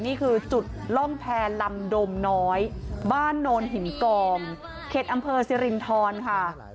นี่คือจุดล่องแพรลำดมน้อยบ้านโนนหินกองเขตอำเภอสิรินทรค่ะ